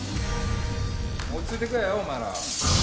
落ち着いて食えよお前ら。